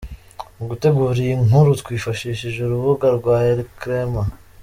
Mu gutegura iyi nkuru twifashishije urubuga rwa elcrema.